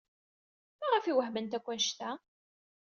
Maɣef ay wehtment akk anect-a?